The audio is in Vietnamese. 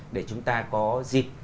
để chúng ta có dịp